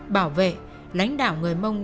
bảo vệ lãnh đạo người mông